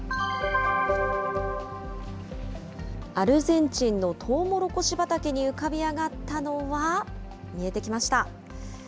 アルゼンチンのトウモロコシ畑に浮かび上がったのは、見えてきました。